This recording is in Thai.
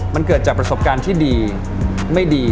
มันเกิดจากประสบการณ์ที่ดีไม่ดี